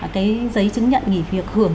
cái giấy chứng nhận nghỉ việc hưởng